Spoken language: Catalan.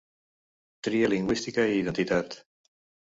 Tria lingüística i identitat.